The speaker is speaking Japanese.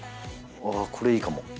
あぁこれいいかも。